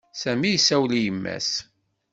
Sami issawel i yemma-s.